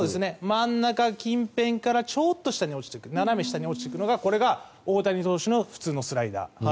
真ん中近辺からちょっと下に斜め下に落ちていくのがこれが大谷投手の普通のスライダー。